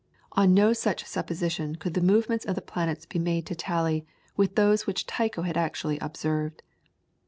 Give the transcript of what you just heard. On no such supposition could the movements of the planets be made to tally with those which Tycho had actually observed.